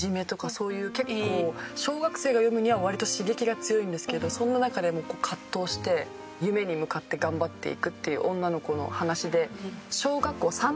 そういう結構小学生が読むには割と刺激が強いんですけどそんな中で葛藤して夢に向かって頑張っていくっていう女の子の話で。